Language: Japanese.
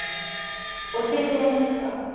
教えてやれますか？